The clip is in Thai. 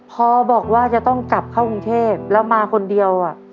พอบอกว่าจะต้องกลับเข้ากรุงเทพแล้วมาคนเดียว